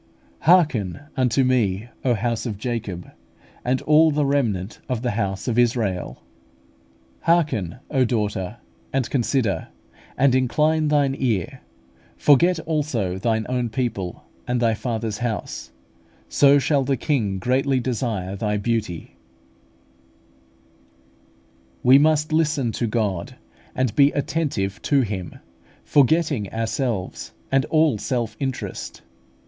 4). "Hearken unto me, O house of Jacob, and all the remnant of the house of Israel" (Isa. xlvi. 31). "Hearken, O daughter, and consider, and incline thine ear; forget also thine own people, and thy father's house; so shall the King greatly desire thy beauty" (Ps. xlv. 10, 11). We must listen to God, and be attentive to Him, forgetting ourselves and all self interest.